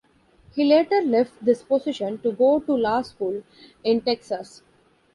He later left this position to go to law school in Texas.